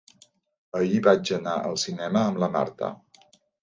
Ahir vaig anar al cinema amb la Marta.